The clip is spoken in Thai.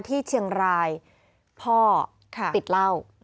ที่เชียงรายพ่อติดเหล้า